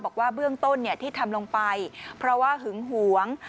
บอกว่าเบื้องต้นที่ทำลงไปเพราะว่าหึงหวง